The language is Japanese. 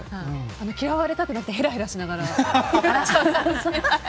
嫌われたくなくてへらへらしながら。